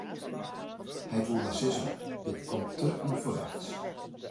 Hy woe mar sizze: dit komt te ûnferwachts.